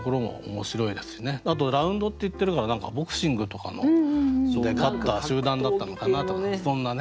あとラウンドって言ってるから何かボクシングとかで勝った集団だったのかなとかね。